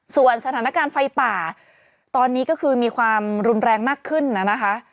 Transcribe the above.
ส่วนสถานการณ์ไฟป่าตอนนี้ก็คือมีความรุนแรงมากขึ้นนะคะ